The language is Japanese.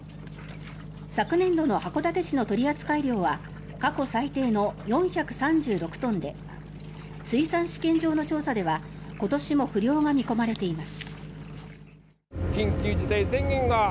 昨年度の函館市の取扱量は過去最低の４３６トンで水産試験場の調査では今年も不漁が見込まれています。